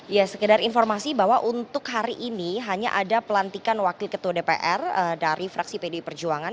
ya sekedar informasi bahwa untuk hari ini hanya ada pelantikan wakil ketua dpr dari fraksi pdi perjuangan